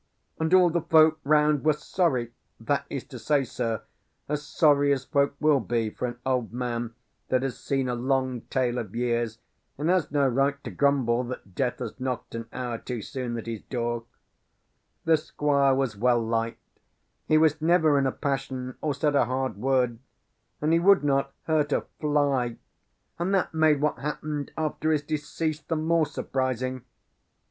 "And all the folk round were sorry; that is to say, sir, as sorry as folk will be for an old man that has seen a long tale of years, and has no right to grumble that death has knocked an hour too soon at his door. The Squire was well liked; he was never in a passion, or said a hard word; and he would not hurt a fly; and that made what happened after his decease the more surprising.